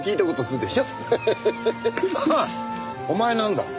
お前なんだ？